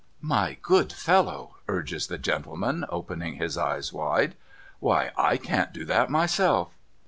' My good fellow,' urges the gentleman, opening his eyes wide, ' why / can't do that myself